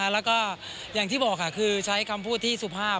แล้วก็อย่างที่บอกค่ะคือใช้คำพูดที่สุภาพ